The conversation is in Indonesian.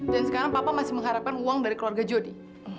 dan sekarang papa masih mengharapkan uang dari keluarga judi